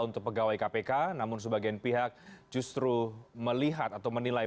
untuk pegawai kpk namun sebagian pihak justru melihat atau menilai